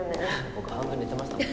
僕半分寝てましたもん。